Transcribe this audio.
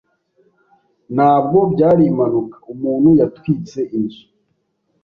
Ntabwo byari impanuka. Umuntu yatwitse inzu.